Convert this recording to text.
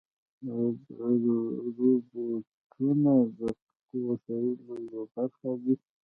روبوټونه د دقیقو وسایلو یوه برخه دي.